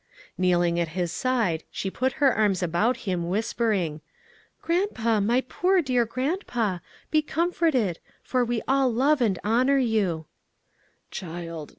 Kneeling at his side, she put her arms about him, whispering, "Grandpa, my poor, dear grandpa, be comforted; for we all love and honor you." "Child!